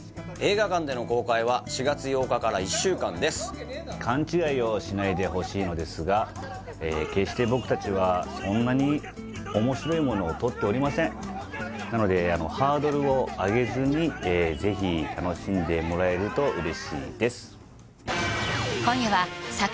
映画館での公開は４月８日から１週間です勘違いをしないでほしいのですが決して僕達はそんなに面白いものを撮っておりませんなのでハードルを上げずにぜひ楽しんでもらえると嬉しいです